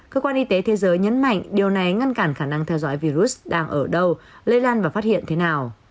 cơ quan y tế thế giới nhấn mạnh điều này ngăn cản khả năng theo dõi virus đang ở đâu lây lan và phát hiện thế nào